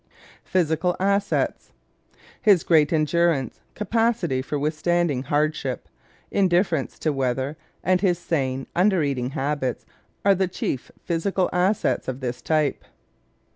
Physical Assets ¶ His great endurance, capacity for withstanding hardship, indifference to weather, and his sane, under eating habits are the chief physical assets of this type.